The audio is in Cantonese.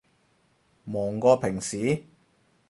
忙過平時？